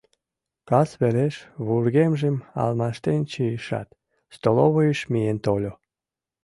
Кас велеш, вургемжым алмаштен чийышат, столовойыш миен тольо.